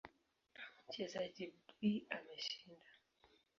Mchezaji B ameshinda.